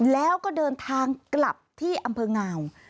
แล้วก็เดินทางกลับที่อำเภองาว